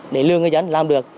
để lương người dân làm được